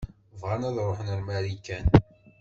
Bɣan ad ṛuḥen ar Marikan.